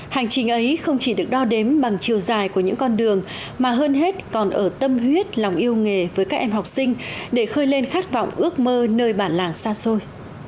hành trình ấy không chỉ được đo đếm bằng chiều dài của những con đường mà hơn hết còn ở tâm huyết lòng yêu nghề với các em học sinh để khơi lên khát vọng ước mơ nơi bản làng xa xôi